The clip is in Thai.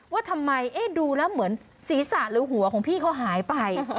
ว่าทำไมดูแล้วเหมือนศีรษะหรือหัวของพี่เขาหายไป